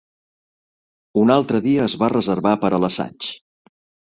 Un altre dia es va reservar per a l'assaig.